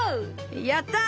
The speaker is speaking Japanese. やった！